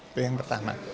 itu yang pertama